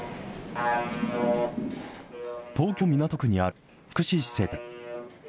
東京・港区にある福祉施設。